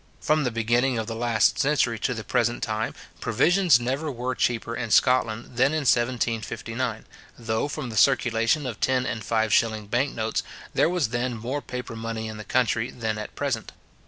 From the beginning of the last century to the present time, provisions never were cheaper in Scotland than in 1759, though, from the circulation of ten and five shilling bank notes, there was then more paper money in the country than at present.